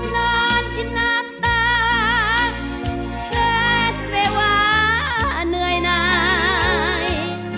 นอนคิดหน้าตาเสร็จไม่ว่าเหนื่อยไหน